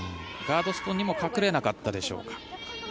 ガードストーンにも隠れなかったでしょうか。